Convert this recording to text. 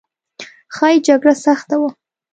ښایي جګړه سخته وه.